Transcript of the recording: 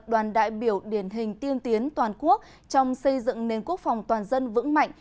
đoàn đại biểu điển hình tiên tiến toàn quốc trong xây dựng nền quốc phòng toàn dân vững mạnh